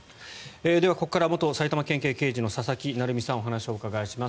ではここから元埼玉県警刑事の佐々木成三さんにお話をお伺いします。